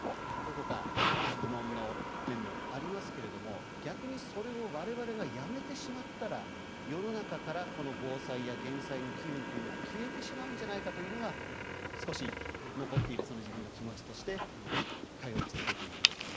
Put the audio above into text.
どこか疑問の面もありますけれども逆にそれを我々がやめてしまったら世の中からこの防災や減災の機運というのが消えてしまうんじゃないかというのが少し残っている自分の気持ちとして通い続けているその原動力になってます。